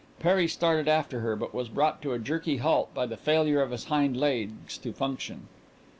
Perry started after her, but was brought to a jerky halt by the failure of his hind legs to function.